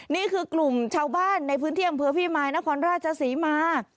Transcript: นี่คือกลุ่มชาวบ้านในพื้นเที่ยงเผื้อพี่มายค์นครราชสิมา